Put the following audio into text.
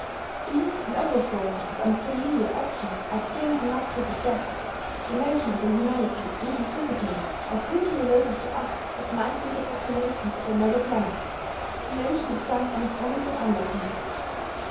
These and other forms of unfamiliar action are strange enough to suggest the notion of a humanity even physically as little related to us as might be the population of another planet, the notion of some anatomical unlikeness.